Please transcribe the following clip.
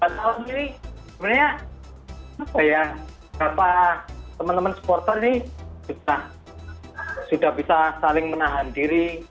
empat tahun ini sebenarnya apa ya teman teman supporter ini sudah bisa saling menahan diri